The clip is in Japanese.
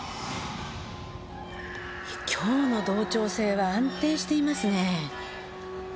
今日の同調性は安定していますね。